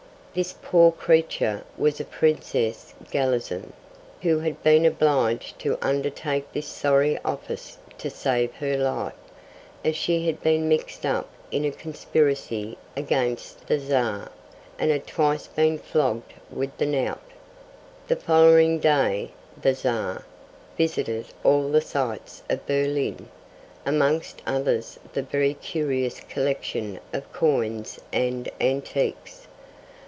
This poor creature was a Princess Gallizin, who had been obliged to undertake this sorry office to save her life, as she had been mixed up in a conspiracy against the Czar, and had twice been flogged with the knout! The following day [the Czar] visited all the sights of Berlin, amongst others the very curious collection of coins and antiques.